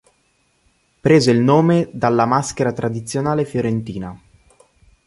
Prese il nome dalla maschera tradizionale fiorentina.